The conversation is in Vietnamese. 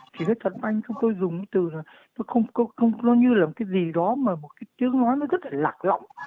thì cái thật anh không có dùng từ là nó không có như là một cái gì đó mà một cái chứa nói nó rất là lạc lõng